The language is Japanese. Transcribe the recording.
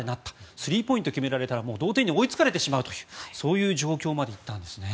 スリーポイントを決められたら同点に追いつかれてしまうという状況まで行ったんですね。